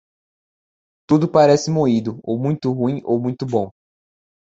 Tudo parece moído, ou muito ruim ou muito bom.